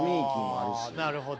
あなるほど。